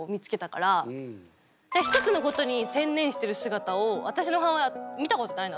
一つのことに専念してる姿を私の母親見たことないの。